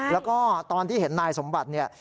แล้วก็ตอนที่เห็นนายสมบัติเนี่ย